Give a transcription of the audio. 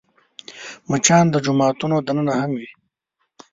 مچان د جوماتونو دننه هم وي